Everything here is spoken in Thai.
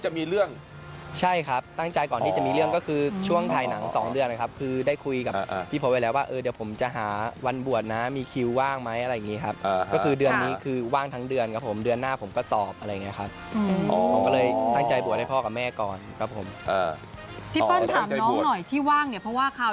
จะมีเรื่องใช่ครับตั้งใจก่อนที่จะมีเรื่องก็คือช่วงถ่ายหนังสองเดือนนะครับคือได้คุยกับพี่โพธไว้แล้วว่าเออเดี๋ยวผมจะหาวันบวชนะมีคิวว่างไหมอะไรอย่างนี้ครับก็คือเดือนนี้คือว่างทั้งเดือนครับผมเดือนหน้าผมก็สอบอะไรอย่างเงี้ยครับผมก็เลยตั้งใจบวชให้พ่อกับแม่ก่อนครับผมที่พ่อจะตั้งใจบวชหน่อยที่ว่างเนี่ยเพราะว่าข่าว